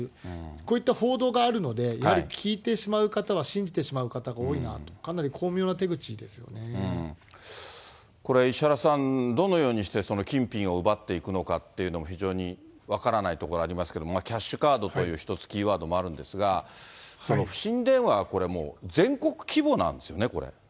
こういった報道があるので、聞いてしまう方は信じてしまう方が多いなと、かなり巧妙な手口でこれ、石原さん、どのようにして金品を奪っていくのかっていうのも、非常に分からないところがありますけれども、キャッシュカードという、１つキーワードもあるんですが、不審電話がもうこれ、全国規模なんですよね、これ。